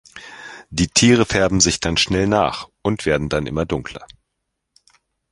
Die Tiere färben sich dann schnell nach und werden dann immer dunkler.